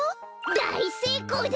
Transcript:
だいせいこうだ！